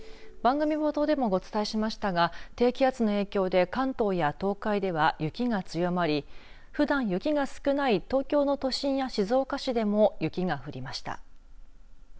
番組冒頭でもお伝えしましたが低気圧の影響で関東や東海では雪が強まり、ふだん雪が少ない東京都の都心や静岡市でも雪が降りました。